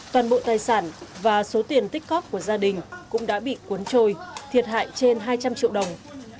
toàn bộ tài sản và số tiền tích cóc của gia đình cũng đã bị cuốn trôi thiệt hại trên hai trăm linh triệu đồng